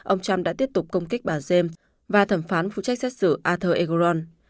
ông trump đã tiếp tục công kích bà james và thẩm phán phụ trách xét xử arthur egoron